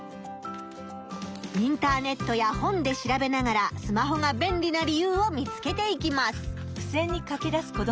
インターネットや本で調べながらスマホが便利な理由を見つけていきます。